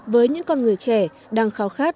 với những con người trẻ đang khao khát